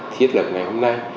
thiết lập ngày hôm nay